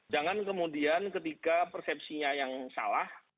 jangan kemudian ketika persepsinya yang salah